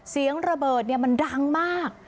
เสียงระเบิดมันดังมาก